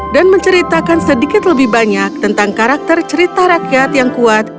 dan menceritakan sedikit lebih banyak tentang karakter cerita rakyat yang kuat